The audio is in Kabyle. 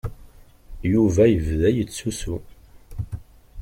Yuba yebda yettusu.